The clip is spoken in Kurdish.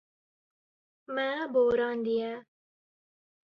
Me borandiye.